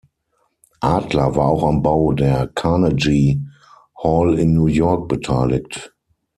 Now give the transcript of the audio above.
Adler war auch am Bau der Carnegie Hall in New York beteiligt.